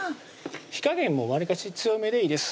火加減もわりかし強めでいいです